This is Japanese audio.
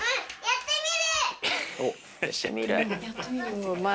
やってみるって。